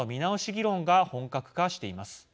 議論が本格化しています。